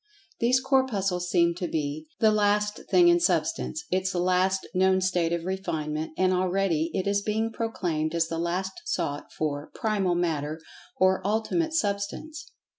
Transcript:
These Corpuscles seem to be the "last thing in Substance"—its last known state of refinement, and already it is being proclaimed as the long sought for "Primal Matter," or "Ultimate Substance."